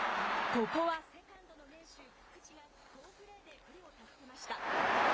ここはセカンドの名手、菊池が、好プレーで九里を助けました。